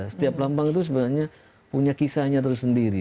setiap lambang itu sebenarnya punya kisahnya tersendiri